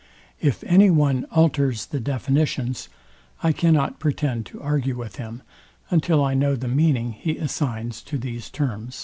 If any one alters the definitions, I cannot pretend to argue with him, until I know the meaning he assigns to these terms.